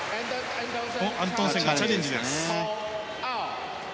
アントンセン、チャレンジです。